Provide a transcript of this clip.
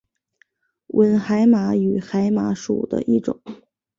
吻海马为海马属的一种。